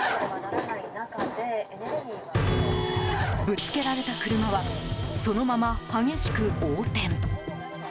ぶつけられた車はそのまま激しく横転。